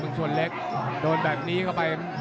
เมืองชนเล็กโดนแบบนี้เข้าไป